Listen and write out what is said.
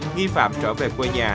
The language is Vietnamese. nghi phạm trở về quê nhà